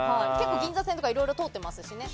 銀座線とかいろいろ通ってますしね。